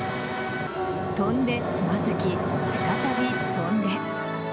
跳んでつまずき、再び跳んで。